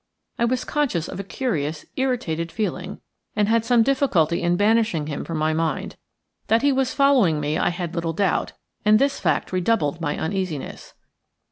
I was conscious of a curious, irritated feeling, and had some difficulty in banishing him from my mind. That he was following me I had little doubt, and this fact redoubled my uneasiness.